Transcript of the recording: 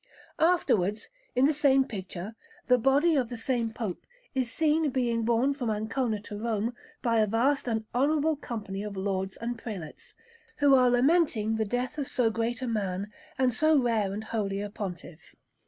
Afterwards, in the same picture, the body of the same Pope is seen being borne from Ancona to Rome by a vast and honourable company of lords and prelates, who are lamenting the death of so great a man and so rare and holy a Pontiff.